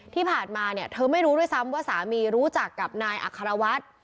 ที่ผ่านมาเนี่ยเธอไม่รู้ด้วยซ้ำว่าสามีรู้จักกับนายอัครวัฒน์